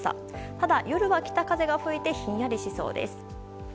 ただ、夜は北風が吹いてひんやりしそうです。